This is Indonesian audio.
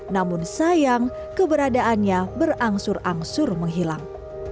namun sayang keberadaannya berangsur angsur menghilang